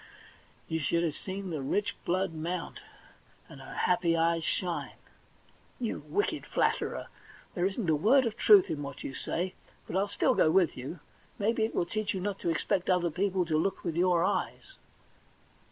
you should have seen the rich blood mount, and her happy eyes shine !* You wicked flatterer ! There isn't a word of truth in what you say, but still I'll go with you. Maybe it will teach you not to expect other people to look with your eyes.'